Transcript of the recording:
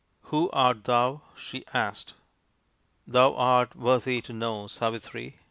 " Who art thou ?" she asked. " Thou art worthy to know, Savitri.